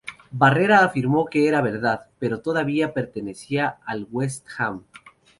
Barrera afirmó que era verdad, pero que todavía pertenecía al West Ham.